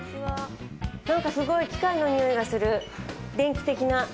なんかすごい機械のにおいがする、電気的な。